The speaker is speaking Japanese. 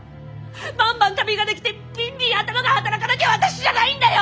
バンバン旅ができてビンビン頭が働かなきゃ私じゃないんだよ！